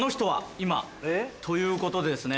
ということでですね